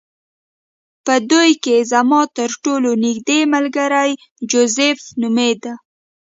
په دوی کې زما ترټولو نږدې ملګری جوزف نومېده